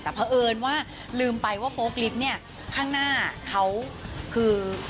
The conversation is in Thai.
แต่เพราะเอิญว่าลืมไปว่าโฟลกลิฟต์เนี่ยข้างหน้าเขาคือ